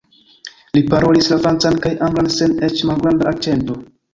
Li parolis la francan kaj anglan sen eĉ malgranda akĉento.